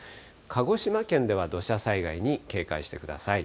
鹿児島県では土砂災害に警戒してください。